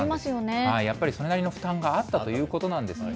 やっぱりそれなりの負担があったということなんです。